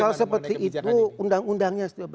kalau seperti itu undang undangnya setiap bahwa